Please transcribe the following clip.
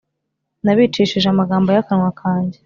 Nabicishije amagambo y akanwa kanjye .